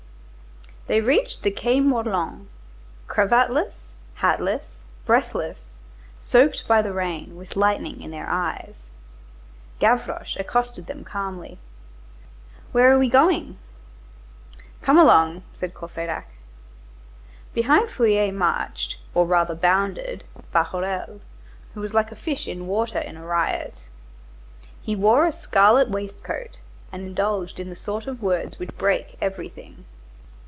They reached the Quai Morland. Cravatless, hatless, breathless, soaked by the rain, with lightning in their eyes. Gavroche accosted them calmly:— "Where are we going?" "Come along," said Courfeyrac. Behind Feuilly marched, or rather bounded, Bahorel, who was like a fish in water in a riot. He wore a scarlet waistcoat, and indulged in the sort of words which break everything.